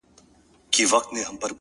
• په ځنگله کي چي دي هره ورځ غړومبی سي,